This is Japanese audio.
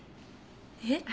えっ？